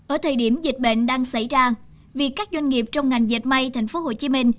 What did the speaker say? ở thời điểm dịch bệnh đang xảy ra việc các doanh nghiệp trong ngành dệt may tp hcm